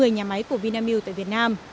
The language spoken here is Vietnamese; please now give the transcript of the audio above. một mươi nhà máy của vinamilk tại việt nam